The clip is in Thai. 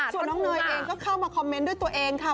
ส่วนน้องเนยเองก็เข้ามาคอมเมนต์ด้วยตัวเองค่ะ